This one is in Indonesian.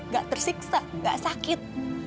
gak tersiksa gak sakit